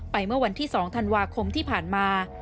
เมื่อวันที่๒ธันวาคมที่ผ่านมา